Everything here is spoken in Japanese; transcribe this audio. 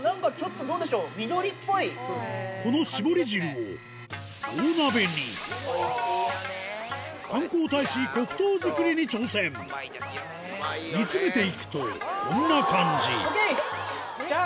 この搾り汁を大鍋に観光大使黒糖作りに挑戦煮詰めていくとこんな感じＯＫ！